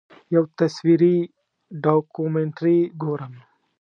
یو تصویري ډاکومنټري ګورم.